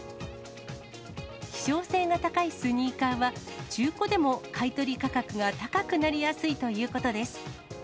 希少性が高いスニーカーは、中古でも買い取り価格が高くなりやすいということです。